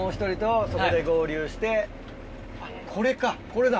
あっこれかこれだ。